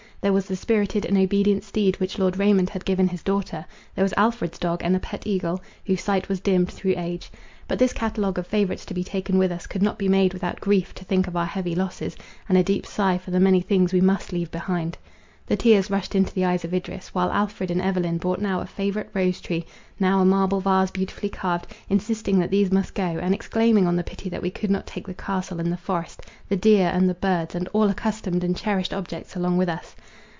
There was the spirited and obedient steed which Lord Raymond had given his daughter; there was Alfred's dog and a pet eagle, whose sight was dimmed through age. But this catalogue of favourites to be taken with us, could not be made without grief to think of our heavy losses, and a deep sigh for the many things we must leave behind. The tears rushed into the eyes of Idris, while Alfred and Evelyn brought now a favourite rose tree, now a marble vase beautifully carved, insisting that these must go, and exclaiming on the pity that we could not take the castle and the forest, the deer and the birds, and all accustomed and cherished objects along with us.